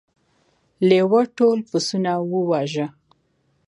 لیوه ټول پسونه وواژه.